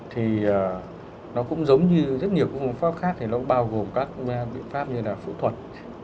thì nó cũng giống như rất nhiều phương pháp khác thì nó bao gồm các biện pháp như là phẫu thuật